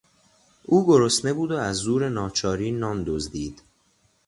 او گرسنه بود و از زور ناچاری نان دزدید.